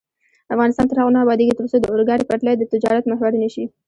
افغانستان تر هغو نه ابادیږي، ترڅو د اورګاډي پټلۍ د تجارت محور نشي.